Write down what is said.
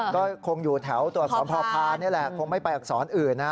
ก็คงอยู่แถวตรวจสอบพอพานี่แหละคงไม่ไปอักษรอื่นนะ